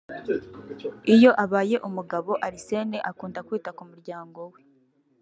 Iyo abaye umugabo Arsène akunda kwita ku murayango we